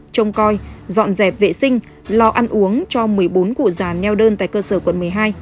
trông coi dọn dẹp vệ sinh lo ăn uống cho một mươi bốn cụ già neo đơn tại cơ sở quận một mươi hai